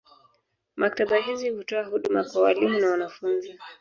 Maktaba hizi hutoa huduma kwa walimu na wanafunzi.